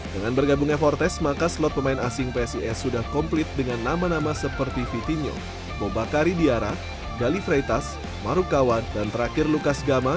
dengan bergabungnya fortes maka slot pemain asing psis sudah komplit dengan nama nama seperti vitinyo mobakari diara gali fretas marukawan dan terakhir lukas gama